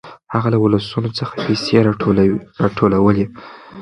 هغه له ولسونو څخه پيسې راټولولې.